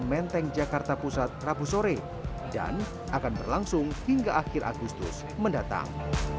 menteng jakarta pusat rabu sore dan akan berlangsung hingga akhir agustus mendatang